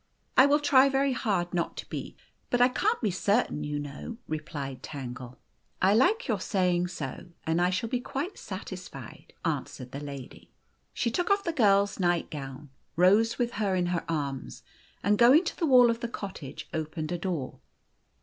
" I will try very hard not to be ; but I can't be cer tain, you know," replied Tangle. 184 The Golden Key "I like your saying so, and I shall be quite satisfied," answered tin lady. She took oil' the girl's night gown, rose with her in her arms, and goinu' to the wall of the cottage, opened a door.